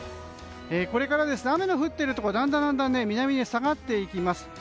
これから雨の降っているところはだんだんと南に下がっていきます。